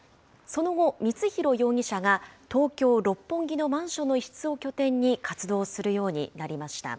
その後、光弘容疑者が東京・六本木のマンションの一室を拠点に、活動するようになりました。